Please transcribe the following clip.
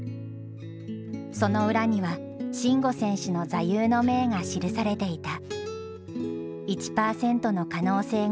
その裏には慎吾選手の座右の銘が記されていた。